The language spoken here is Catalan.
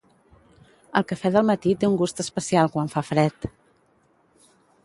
El cafè del matí té un gust especial quan fa fred.